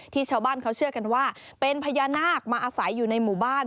ชาวบ้านเขาเชื่อกันว่าเป็นพญานาคมาอาศัยอยู่ในหมู่บ้าน